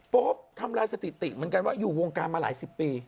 โป๊ปทำลายสถิติเหมือนกันว่าอยู่วงการมาหลายสิบปี